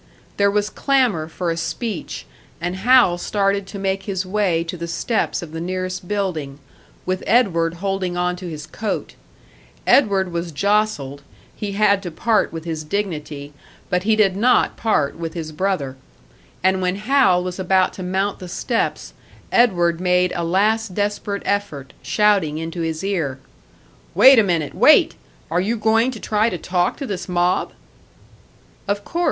There was clamour for a speech, and Hal started to make his way to the steps of the nearest building, with Edward holding on to his coat. Edward was jostled; he had to part with his dignity but he did not part with his brother. And when Hal was about to mount the steps, Edward made a last desperate effort, shouting into his ear, "Wait a minute! Wait! Are you going to try to talk to this mob?" "Of course.